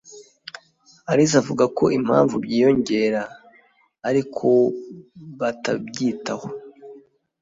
alice avuga ko impamvu byiyongera arikobatabyi taho